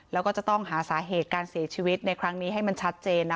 แล้วก็จะต้องหาสาเหตุการเสียชีวิตในครั้งนี้ให้มันชัดเจน